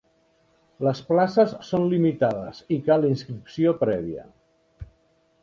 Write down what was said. Les places són limitades i cal inscripció prèvia.